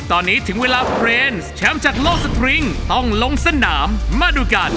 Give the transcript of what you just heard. ตอนนี้ถึงเวลาเฟรนด์แชมป์จากโลกสตริงต้องลงสนามมาดูกัน